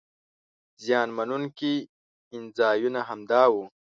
زیان مننونکي ځایونه همدا وو.